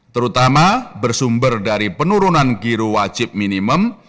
terutama bersumber dari penurunan giro wajib minimum